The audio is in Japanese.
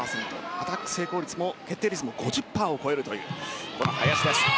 アタック決定率も５０％を超えるという林です。